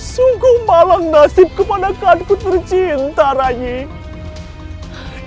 sungguh malang nasib keponakan ku tercinta raih